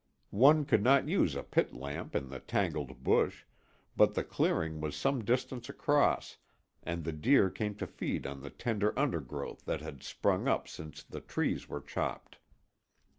One could not use a pit lamp in the tangled bush, but the clearing was some distance across and the deer came to feed on the tender undergrowth that had sprung up since the trees were chopped.